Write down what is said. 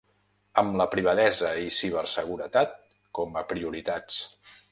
Amb la privadesa i ciberseguretat com a prioritats.